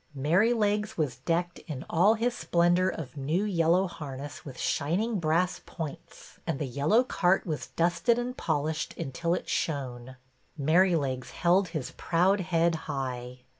Merrylegs was decked in all his splendor of 58 BETTY BAIRD'S VENTURES new yellow harness with shining brass points, and the yellow cart was dusted and polished until it shone. Merrylegs held his proud head high.